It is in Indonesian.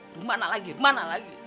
rumah anak lagi rumah anak lagi